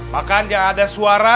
makan jangan ada suara